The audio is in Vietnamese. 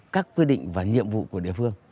các quy định và nhiệm vụ của địa phương